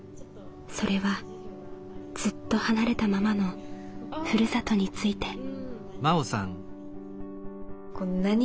それはずっと離れたままの「ふるさと」について。